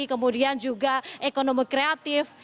kemudian juga ekonomi kreatif